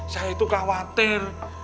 saya itu khawatir